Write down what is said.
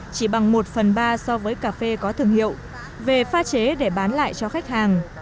chỉ bằng một phần ba so với cà phê có thương hiệu về pha chế để bán lại cho khách hàng